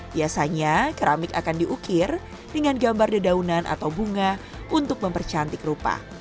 biasanya keramik akan diukir dengan gambar dedaunan atau bunga untuk mempercantik rupa